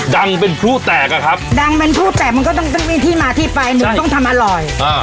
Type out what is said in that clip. ดังเป็นพลุแตกอะครับดังเป็นพลุแตกมันก็ต้องมีที่มาที่ไปหนึ่งต้องทำอร่อยอ่า